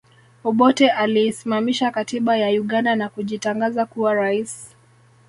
Obote aliisimamisha katiba ya Uganda na kujitangaza kuwa rais